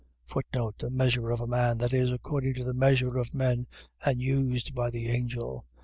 The measure of a man, i.e., According to the measure of men, and used by the angel.